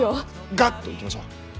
ガッといきましょう。